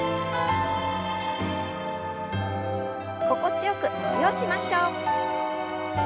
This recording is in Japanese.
心地よく伸びをしましょう。